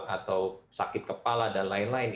atau sakit kepala atau penyakit kondisi